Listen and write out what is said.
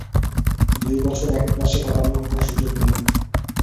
দুই বছর এক ক্লাসে কাটানোর কোন সুযোগ নেই।